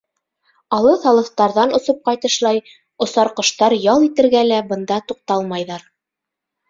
Алыҫ-алыҫтарҙан осоп ҡайтышлай осар ҡоштар ял итергә лә бында туҡталмайҙар.